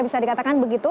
bisa dikatakan begitu